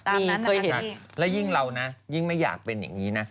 มีเคยเห็นแล้วยิ่งเรานะยิ่งไม่อยากเป็นอย่างนี้นะ